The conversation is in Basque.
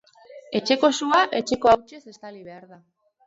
Etxeko sua etxeko hautsez estali behar da.